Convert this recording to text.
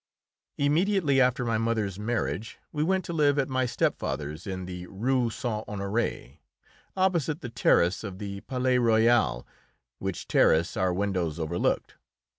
] Immediately after my mother's marriage we went to live at my stepfather's in the Rue Saint Honoré, opposite the terrace of the Palais Royal, which terrace our windows overlooked.